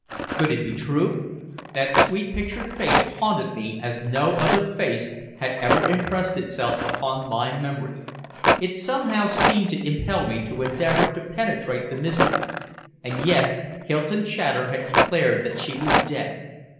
Could it be true? That sweet pictured face haunted me as no other face had ever impressed itself upon my memory. It somehow seemed to impel me to endeavor to penetrate the mystery, and yet Hylton Chater had declared that she was dead!